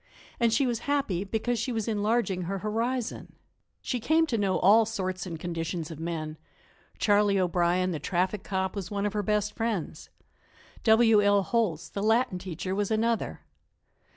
And she was happy because she was enlarging her horizon. She came to know all sorts and conditions of men; Charley O'Brien, the traffic cop, was one of her best friends. W. L. Holtz, the Latin teacher, was another.